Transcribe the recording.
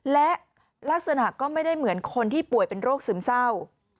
และลักษณะก็ไม่ได้เหมือนคนที่ป่วยเป็นโรคซึมเศร้า